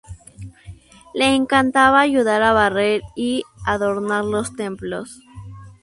Le encantaba ayudar a barrer y adornar los templos.